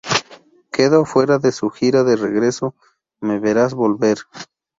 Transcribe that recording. Quedo afuera de su gira de regreso Me Verás Volver.